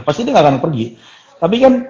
pasti dia nggak akan pergi tapi kan